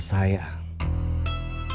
jadi anak buah saya